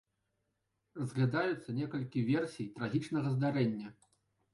Разглядаюцца некалькі версій трагічнага здарэння.